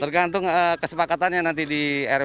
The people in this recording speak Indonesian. tergantung kesepakatannya nanti di rw